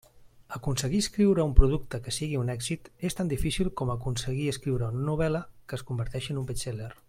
Aconseguir escriure un producte que sigui un èxit és tan difícil com aconseguir escriure una novel·la que es converteixi en un best-seller.